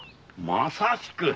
まさしく！